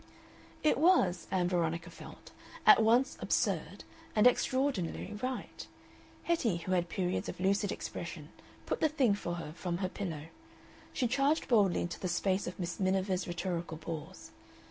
It was, Ann Veronica felt, at once absurd and extraordinarily right. Hetty, who had periods of lucid expression, put the thing for her from her pillow. She charged boldly into the space of Miss Miniver's rhetorical pause.